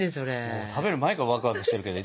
もう食べる前からワクワクしてるけど。